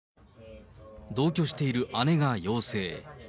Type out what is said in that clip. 同居している姉が陽性。